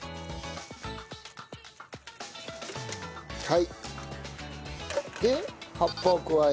はい。